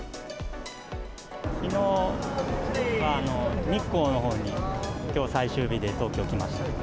きのうは、日光のほうに、きょう最終日で、東京来ました。